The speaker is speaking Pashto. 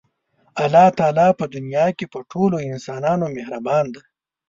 الله تعالی په دنیا کې په ټولو انسانانو مهربانه دی.